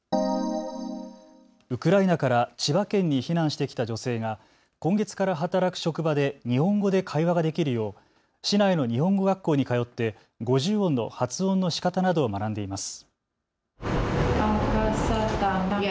ウクライナから千葉県に避難してきた女性が今月から働く職場で日本語で会話ができるよう市内の日本語学校に通って五十音の発音のしかたなどを学んでいます。